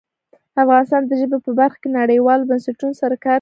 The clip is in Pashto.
افغانستان د ژبې په برخه کې نړیوالو بنسټونو سره کار کوي.